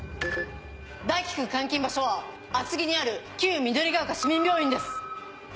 大樹君監禁場所は厚木にある旧緑ヶ丘市民病院です。